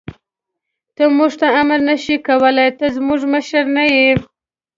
ته موږ ته امر نه شې کولای، ته زموږ مشر نه یې.